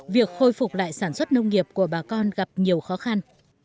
việc khôi phục lại sản xuất nông nghiệp của bà con gặp nhiều khó khăn